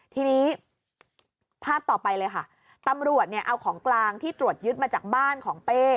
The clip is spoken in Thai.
ทีนี้ภาพต่อไปเลยค่ะตำรวจเนี่ยเอาของกลางที่ตรวจยึดมาจากบ้านของเป้